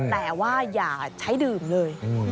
แต่ว่าอย่าใช้ดื่มเลย